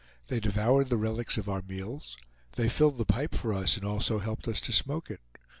They devoured the relics of our meals; they filled the pipe for us and also helped us to smoke it.